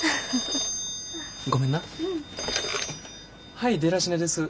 はいデラシネです。